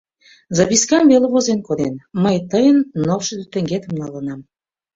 Запискам веле возен коден: «Мый тыйын ныл шӱдӧ теҥгетым налынам».